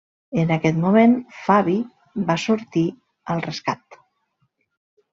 En aquest moment Fabi va sortir al rescat.